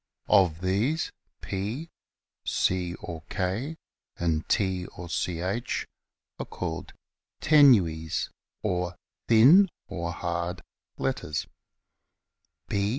Of these P, C or K, and T or Ch are called tenues or thin (or hard) letters.